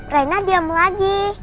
reina diam lagi